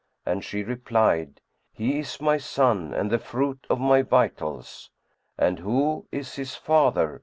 and she replied, "He is my son and the fruit of my vitals." "And who is his father?"